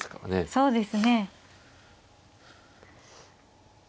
そうですね。